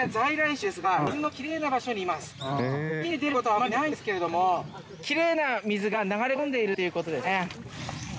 池で出ることはあまりないんですけれどもきれいな水が流れ込んでいるっていうことですね。